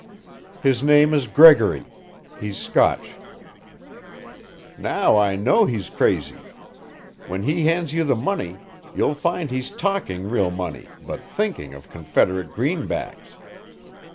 "His name is Gregory. He's Scotch." "Now I know he's crazy. When he hands you the money, you'll find he's talking real money but thinking of Confederate greenbacks.